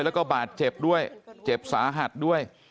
แล้วก็บาดเจ็บด้วยเจ็บสาหัสด้วย